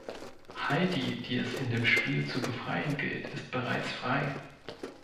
Heidi, die es in dem Spiel zu befreien gilt, ist bereits frei.